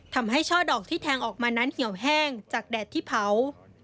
ช่อดอกที่แทงออกมานั้นเหี่ยวแห้งจากแดดที่เผา